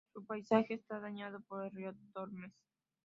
Su paisaje está bañado por el río Tormes.